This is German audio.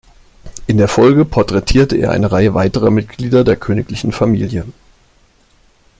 In der Folge porträtierte er eine Reihe weiterer Mitglieder der königlichen Familie.